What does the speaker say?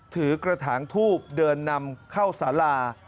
ถือกระถางทูบเดินนำเข้าสารา